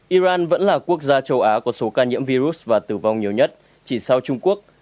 iran vẫn là quốc gia châu á có số ca nhiễm virus và tử vong nhiều nhất chỉ sau trung quốc